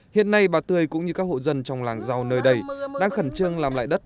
hiện nay bà tươi cũng như các hộ dân trong làng rau nơi đây đang khẩn trương làm lại đất